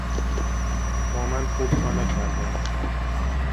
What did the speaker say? با من خوب تا نکردند.